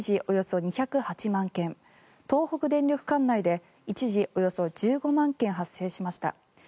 およそ２０８万軒東北電力管内で一時およそ１５万軒発生しました。